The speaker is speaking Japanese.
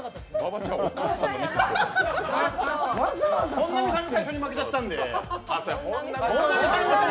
本並さんが先に負けちゃったんで。